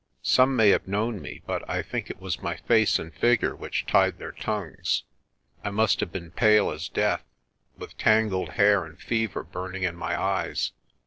Some may have known me but I think it was my face and figure which tied their tongues. I must have been pale as death, with tangled hair and fever burning in my eyes.